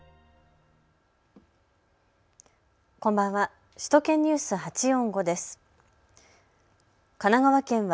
こんばんは。